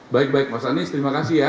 baik baik mas anies terima kasih ya